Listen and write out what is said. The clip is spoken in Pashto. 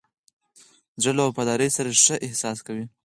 زړه له وفادارۍ سره ښه احساس کوي.